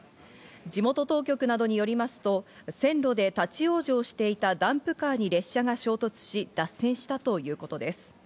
地元当局などによりますと、線路で立ち往生していたダンプカーに列車が衝突し、脱線したということです。